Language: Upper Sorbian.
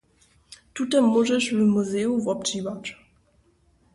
Tute móžeš w muzeju wobdźiwać.